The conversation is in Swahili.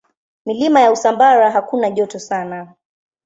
Milima ya Usambara hakuna joto sana.